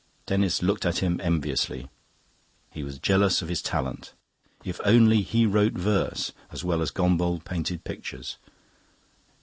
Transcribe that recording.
Denis looked at him enviously. He was jealous of his talent: if only he wrote verse as well as Gombauld painted pictures!